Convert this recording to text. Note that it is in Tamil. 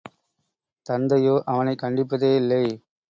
தந்தையோ அவனைக் கண்டிப்பதே இல்லை.